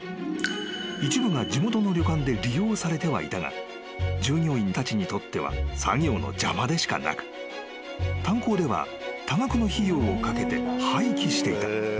［一部が地元の旅館で利用されてはいたが従業員たちにとっては作業の邪魔でしかなく炭鉱では多額の費用をかけて廃棄していた］